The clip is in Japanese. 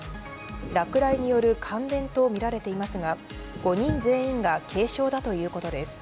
落雷による感電と見られていますが、５人全員が軽傷だということです。